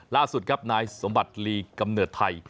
ล่าสุดครับนายสมบัติลีกำเนิดไทย